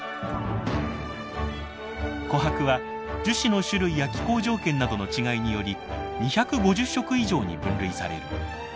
琥珀は樹脂の種類や気候条件などの違いにより２５０色以上に分類される。